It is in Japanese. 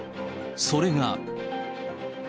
それが。